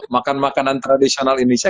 makan makanan tradisional indonesia